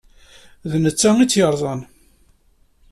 D nettat i tt-yeṛẓan.